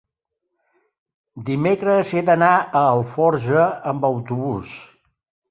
dimecres he d'anar a Alforja amb autobús.